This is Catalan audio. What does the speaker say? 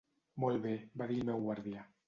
"Molt bé," va dir el meu guardià.